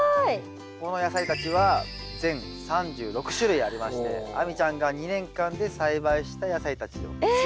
この野菜たちは全３６種類ありまして亜美ちゃんが２年間で栽培した野菜たちの種類ですね。